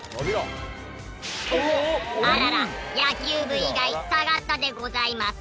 あらら野球部以外下がったでございます。